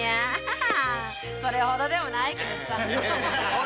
それほどでもないけどさ。